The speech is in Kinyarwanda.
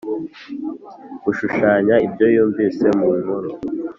gushushanya ibyo yumvise mu nkuru.